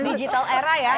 in this digital era ya